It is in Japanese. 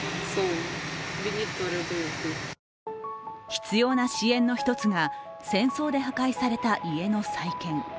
必要な支援の１つが戦争で破壊された家の再建。